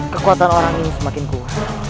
kekuatan orang ini semakin kuat